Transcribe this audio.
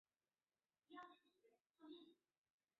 稀序卫矛为卫矛科卫矛属下的一个种。